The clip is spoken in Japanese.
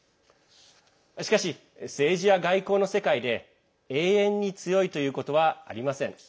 しかし、政治や外交の世界で永遠に強いということはありません。